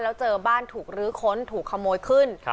แล้วเจอบ้านถูกลื้อค้นถูกขโมยขึ้น